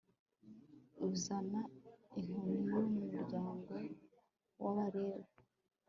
uzana inkoni y' umuryango w'abalewi